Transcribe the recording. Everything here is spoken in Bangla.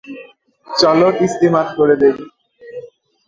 চলো, কিস্তিমাত করে দেই!